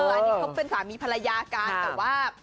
อันนี้เขาเป็นสามีภรรยากันแต่ว่า